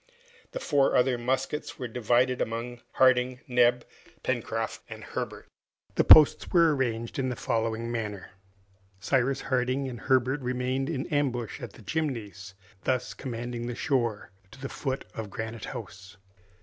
The four other muskets were divided among Harding, Neb, Pencroft, and Herbert. The posts were arranged in the following manner: Cyrus Harding and Herbert remained in ambush at the Chimneys, thus commanding the shore to the foot of Granite House.